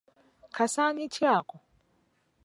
Kasaanyi ki ako?